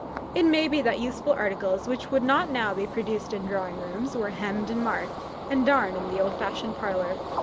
It may be that useful articles, which would not now be produced in drawing rooms, were hemmed, and marked, and darned in the old fashioned parlour.